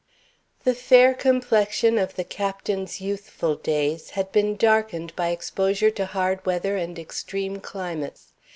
The fair complexion of the Captain's youthful days had been darkened by exposure to hard weather and extreme climates.